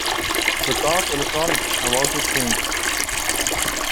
The car's electronics have also changed.